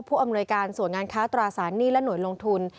อำนวยการส่วนงานค้าตราสารหนี้และหน่วยลงทุน